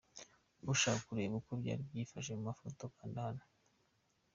Ushaka kureba uko byari byifashe mu mafoto kanda hano.